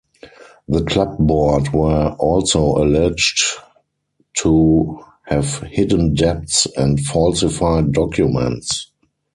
The club board were also alleged to have hidden debts and falsified documents.